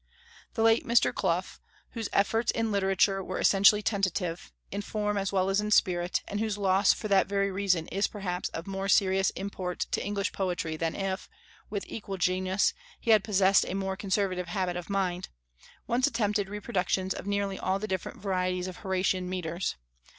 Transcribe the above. The late Mr. Clough, whose efforts in literature were essentially tentative, in form as well as in spirit, and whose loss for that very reason is perhaps of more serious import to English poetry than if, with equal genius, he had possessed a more conservative habit of mind, once attempted reproductions of nearly all the different varieties of Horatian metres.